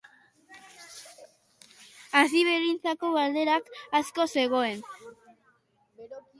Hasiberrientzako galdera asko zegoen.